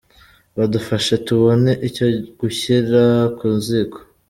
Badufashe tubone icyo gushyira ku ziko.